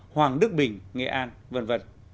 hoàng đức bình nghệ an v v